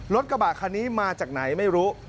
รถกระบะคันนี้มาจากไหนไม่รู้